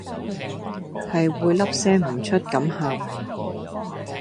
係會粒聲唔出咁喊